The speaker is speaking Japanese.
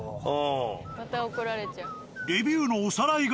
また怒られちゃう。